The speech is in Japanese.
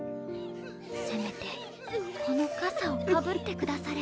せめてこのかさをかぶってくだされ』」。